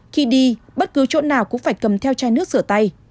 khi đi bất cứ chỗ nào cũng phải cầm theo chai nước rửa tay